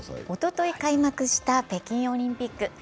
おととい開幕した北京オリンピック。